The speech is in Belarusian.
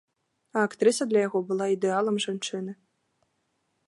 А актрыса для яго была ідэалам жанчыны.